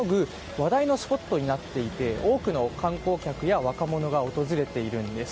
話題のスポットになっていて多くの観光客や若者が訪れているんです。